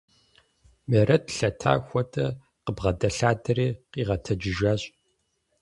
Мерэт, лъэта хуэдэ къыбгъэдэлъадэри къигъэтэджыжащ.